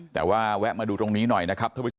แต่ว่าแวะมาดูตรงนี้หน่อยนะครับ